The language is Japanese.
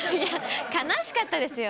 悲しかったですよ。